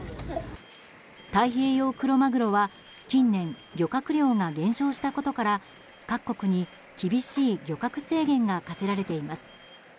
太平洋クロマグロは近年漁獲量が減少したことから各国に厳しい漁獲制限が課せられています。